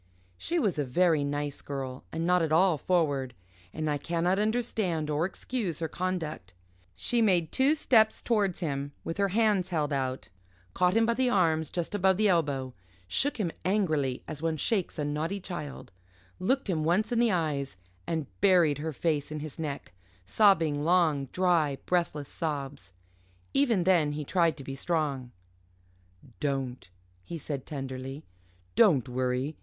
She was a very nice girl and not at all forward, and I cannot understand or excuse her conduct. She made two steps towards him with her hands held out caught him by the arms just above the elbow shook him angrily, as one shakes a naughty child looked him once in the eyes and buried her face in his neck sobbing long, dry, breathless sobs. Even then he tried to be strong. "Don't!" he said tenderly, "don't worry.